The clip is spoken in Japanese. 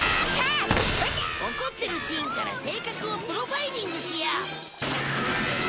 怒ってるシーンから性格をプロファイリングしよう